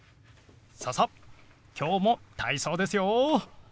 ささっ今日も体操ですよ。